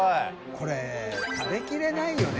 これ食べきれないよね。